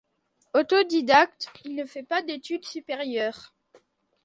Autodidacte, il ne fait pas d'études supérieures.